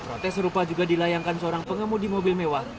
protes serupa juga dilayangkan seorang pengemudi mobil mewah